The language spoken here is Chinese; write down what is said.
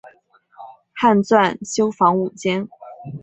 汉纂修房五间。